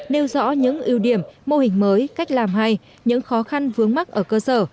nêu rõ những ưu điểm mô hình mới cách làm hay những khó khăn vướng mắt ở cơ sở